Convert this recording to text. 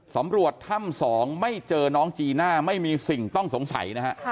สำรวจถ้ำ๒ไม่เจอน้องจีน่าไม่มีสิ่งต้องสงสัยนะฮะ